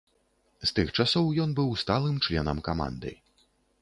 З тых часоў ён быў сталым членам каманды.